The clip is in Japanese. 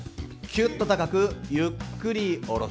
きゅっと高くゆっくり下ろす。